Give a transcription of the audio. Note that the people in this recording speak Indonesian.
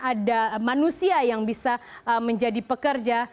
ada manusia yang bisa menjadi pekerja